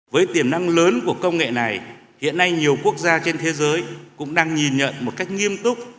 với tiềm năng lớn của công nghệ này hiện nay nhiều quốc gia trên thế giới cũng đang nhìn nhận một cách nghiêm túc